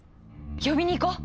呼びに行こう！